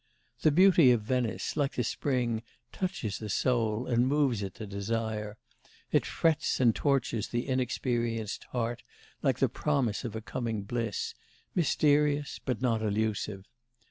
The beauty of Venice, like the spring, touches the soul and moves it to desire; it frets and tortures the inexperienced heart like the promise of a coming bliss, mysterious but not elusive.